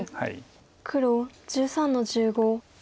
黒１３の十五。